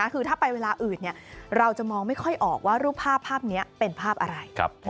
คือถ้าไปเวลาอื่นเราจะมองไม่ค่อยออกว่ารูปภาพนี้เป็นภาพอะไร